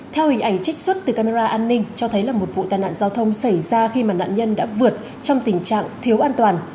theo hình ảnh trích xuất từ camera an ninh cho thấy là một vụ tai nạn giao thông xảy ra khi mà nạn nhân đã vượt trong tình trạng thiếu an toàn